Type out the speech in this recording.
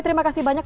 terima kasih banyak